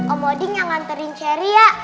omoding yang nganterin ceri ya